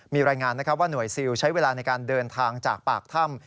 มีรายงานนะครับว่าหน่วยซิลใช้เวลาในการเดินทางจากปากถ้ำ